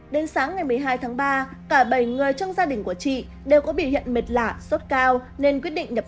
đến sáng ngày một mươi hai tháng ba cả bảy người trong gia đình của chị đều có bị hiện mệt lạ sốt cao